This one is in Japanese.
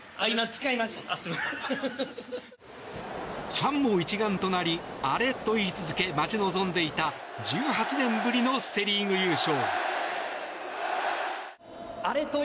ファンも一丸となりアレと言い続け待ち望んでいた１８年ぶりのセ・リーグ優勝。